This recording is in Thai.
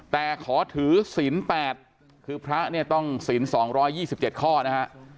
แต่ขอถือศิลป์๘คือพระเนี่ยต้องศิลป์๒๒๗ข้อนะฮะ